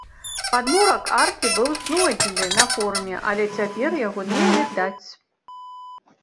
Падмурак аркі быў знойдзены на форуме, але цяпер яго не відаць.